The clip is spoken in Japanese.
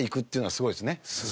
すごいですね。